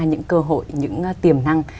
những cơ hội những tiềm năng